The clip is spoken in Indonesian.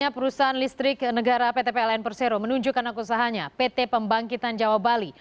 perusahaan listrik negara pt pln persero menunjukkan akusahnya pt pembangkitan jawa bali